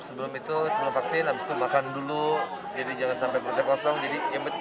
sebelum itu sebelum vaksin habis itu makan dulu jadi jangan sampai berusia kosong jadi